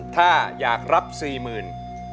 ถ้าอยากรับ๔๐๐๐บาท